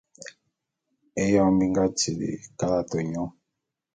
Éyoñ bi nga tili kalate nyô.